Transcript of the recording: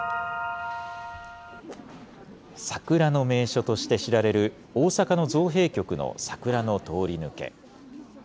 桜の名所として知られる大阪の造幣局の桜の通り抜け。